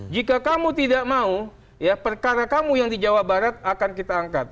jika kamu tidak mau ya perkara kamu yang di jawa barat akan kita angkat